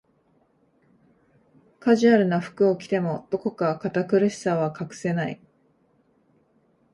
カジュアルな服を着ても、どこか堅苦しさは隠せない